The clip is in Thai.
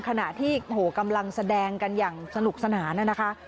ขณะที่กำลังแสดงกันอย่างสนุกสนานนะคะ